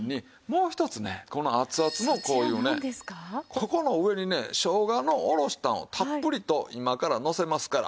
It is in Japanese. ここの上にね生姜のおろしたんをたっぷりと今からのせますから。